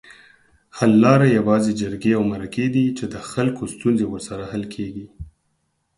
حل لاره یوازې جرګې اومرکي دي چي دخلګوستونزې ورسره حل کیږي